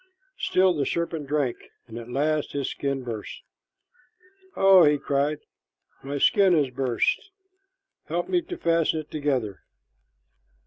Still the serpent drank, and at last his skin burst. "Oh," he cried, "my skin has burst. Help me to fasten it together."